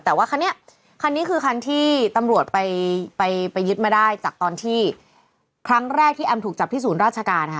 แต่ว่าคันนี้คันนี้คือคันที่ตำรวจไปไปยึดมาได้จากตอนที่ครั้งแรกที่แอมถูกจับที่ศูนย์ราชการนะคะ